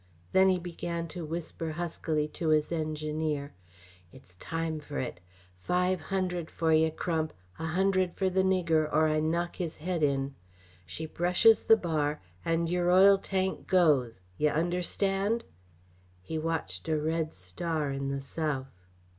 Then he began to whisper huskily to his engineer: "It's time fer it. Five hundred fer yeh, Crump a hundred fer the nigger, or I knock his head in. She brushes the bar, and yer oil tank goes yeh understand?" He watched a red star in the south.